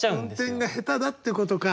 運転が下手だってことか。